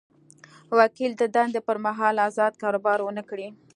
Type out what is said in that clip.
وکیل د دندې پر مهال ازاد کاروبار ونه کړي.